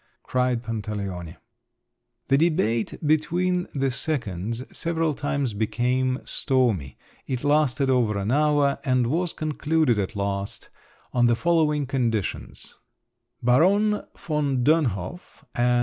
cried Pantaleone. The debate between the seconds several times became stormy; it lasted over an hour, and was concluded at last on the following conditions: "Baron von Dönhof and M.